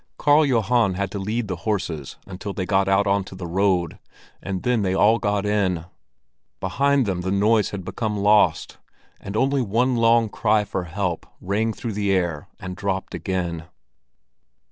Karl Johan had to lead the horses until they got out onto the road, and then they all got in. Behind them the noise had become lost, and only one long cry for help rang through the air and dropped again.